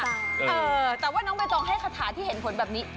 เออแต่ว่าน้องใบตองให้คาถาที่เห็นผลแบบนี้